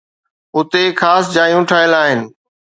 اتي خاص جايون ٺهيل آهن